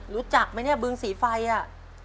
รู้จักไหมเนี่ยบึงสีไฟอ่ะ